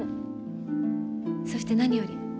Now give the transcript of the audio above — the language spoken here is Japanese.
そして何より。